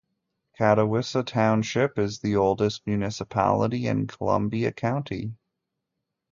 Catawissa Township is the oldest municipality in Columbia County.